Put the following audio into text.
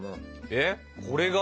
えっこれが？